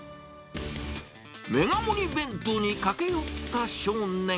メガ盛り弁当に駆け寄った少年。